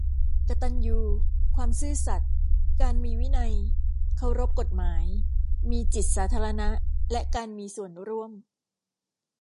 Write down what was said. กตัญญู ความซื่อสัตย์ การมีวินัย เคารพกฎหมาย มีจิตสาธารณะและการมีส่วนร่วม